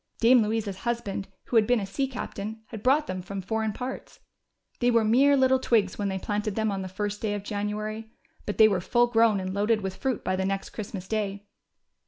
Dame Louisa's husband, who had been a sea captain, had brought them from foreign parts. They were mere little twigs when they planted them on the first day of January, but they were full grown and loaded with fruit by the next Christmas day.